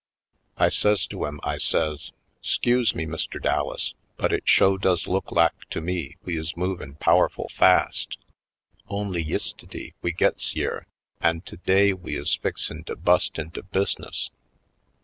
I says to him, I says: " 'Scuse me, Mr. Dallas, but it sho' does look lak to me we is movin' po\verful fast. Only yistiddy we gits yere, an' today we is fixin' to bust into bus'ness.